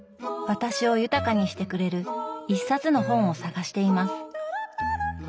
私を豊かにしてくれる一冊の本を探しています。